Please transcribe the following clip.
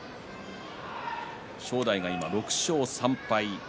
正代が６勝３敗。